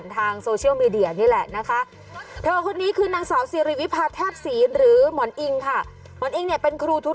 ที่อยู่ก็พอเด็ก